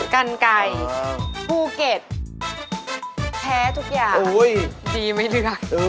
กันไก่ภูเก็ตแพ้ทุกอย่างดีไม่เลือก